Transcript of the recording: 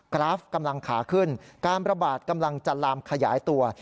กราฟกำลังขาขึ้นการประบาดกำลังจะลามขยายตัว